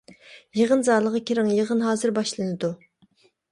يىغىن زالىغا كىرىڭ، يىغىن ھازىر باشلىنىدۇ.